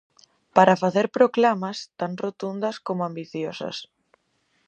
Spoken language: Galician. Para facer proclamas tan rotundas como ambiciosas.